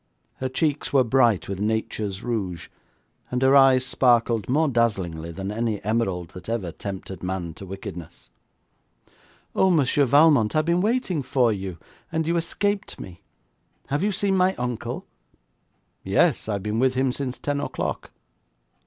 Her cheeks were bright with Nature's rouge, and her eyes sparkled more dazzlingly than any emerald that ever tempted man to wickedness. 'Oh, Monsieur Valmont, I have been waiting for you, and you escaped me. Have you seen my uncle?' 'Yes, I have been with him since ten o'clock.'